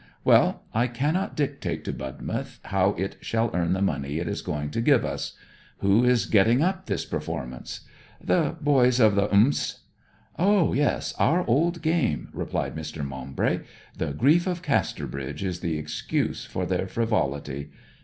'Well, I cannot dictate to Budmouth how it shall earn the money it is going to give us. Who is getting up this performance?' 'The boys of the st.' 'Ah, yes; our old game!' replied Mr. Maumbry. 'The grief of Casterbridge is the excuse for their frivolity.